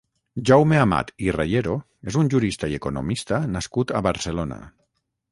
Jaume Amat i Reyero és un jurista i economista nascut a Barcelona.